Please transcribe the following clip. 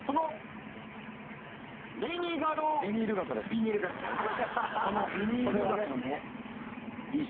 ビニール傘だよな。